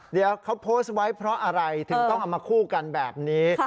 เดี๋ยวเขาโพสต์ไว้เพราะอะไรถึงต้องเอามาคู่กันแบบนี้